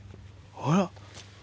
あら？